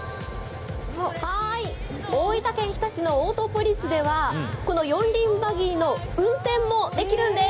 大分県日田市のオートポリスではこの四輪バギーの運転もできるんです